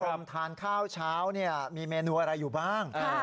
ทานข้าวเช้ามีเมนูอะไรอยู่บ้าง